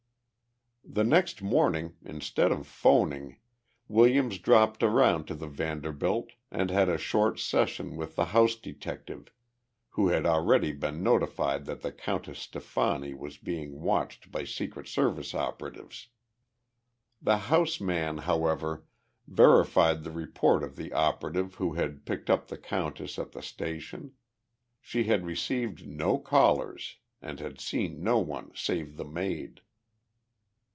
The next morning, instead of phoning, Williams dropped around to the Vanderbilt and had a short session with the house detective, who had already been notified that the Countess Stefani was being watched by Secret Service operatives. The house man, however, verified the report of the operative who had picked up the countess at the station she had received no callers and had seen no one save the maid.